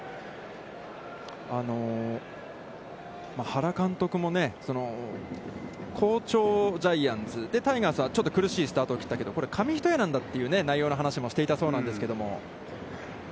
原監督もね、好調ジャイアンツ、タイガースは、ちょっと苦しいスタートを切ったけど紙一重なんだという内容の話もしていたそうなんですけれども。